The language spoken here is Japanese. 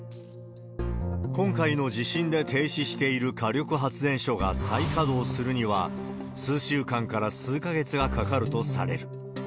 今回の地震で停止している火力発電所が再稼働するには、数週間から数か月がかかるとされる。